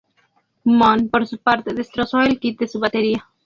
Moon, por su parte, destrozó el kit de su batería.